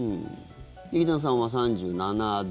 劇団さんは３７度。